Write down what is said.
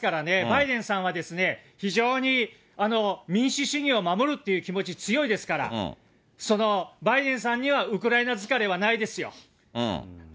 バイデンさんは非常に、民主主義を守るって気持ち、強いですから、そのバイデンさんにはウクライナ疲れはないですよ。